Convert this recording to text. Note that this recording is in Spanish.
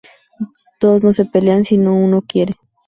Dos no se pelean si uno no quiere